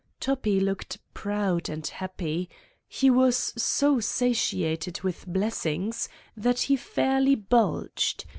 Toppi looked proud and happy: he was so satiated with blessings that he fairly bulged.